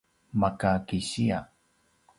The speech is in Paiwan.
maka kisiya